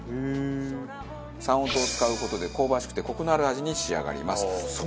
三温糖を使う事で香ばしくてコクのある味に仕上がります。